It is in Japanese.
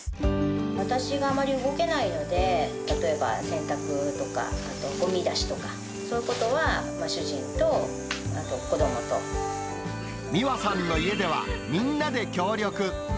私があまり動けないので、例えば洗濯とかあとごみ出しとか、そういうことは主人とあと子ども美和さんの家では、みんなで協力。